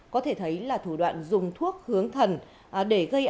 có thể thấy là thủ đoạn dùng thuốc hướng thần để gây án